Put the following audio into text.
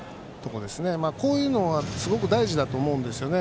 こういうのはすごく大事だと思うんですよね。